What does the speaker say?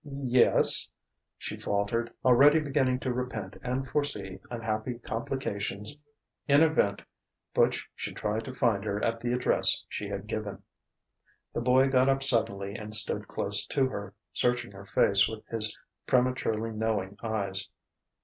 "Yes ..." she faltered, already beginning to repent and foresee unhappy complications in event Butch should try to find her at the address she had given. The boy got up suddenly and stood close to her, searching her face with his prematurely knowing eyes.